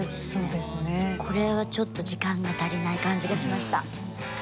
これはちょっと時間が足りない感じがしました。